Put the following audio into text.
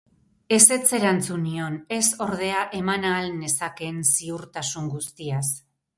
Ezetz erantzun nion, ez, ordea, eman ahal nezakeen ziurtasun guztiaz.